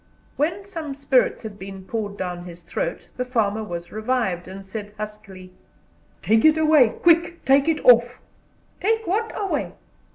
When some spirits had been poured down his throat the farmer was revived, and said huskily: "Take it away! Quick, take it off!" "Take what away?"